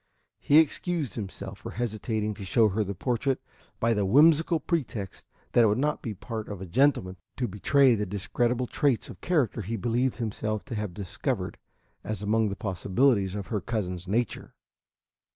He excused himself for hesitating to show her the portrait by the whimsical pretext that it would not be the part of a gentleman to betray the discreditable traits of character he believed himself to have discovered as among the possibilities of her cousin's nature.